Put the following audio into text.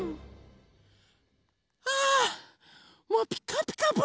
あもう「ピカピカブ！」